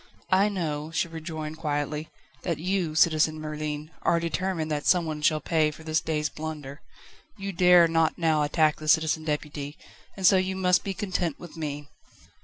"I know," she rejoined quietly, "that you, Citizen Merlin, are determined that someone shall pay for this day's blunder. You dare not now attack the Citizen Deputy, and so you must be content with me."